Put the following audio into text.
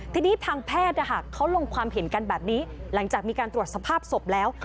ทีนี้ทางแพทย์เขาลงความเห็นกันแบบนี้หลังจากมีการตรวจสภาพศพแล้ว